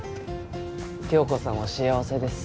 響子さんは幸せです